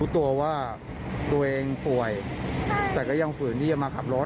ตัวว่าตัวเองป่วยแต่ก็ยังฝืนที่จะมาขับรถ